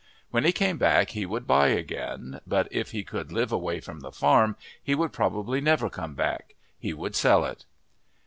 When he came back he would buy again; but if he could live away from the farm, he would probably never come back he would sell it.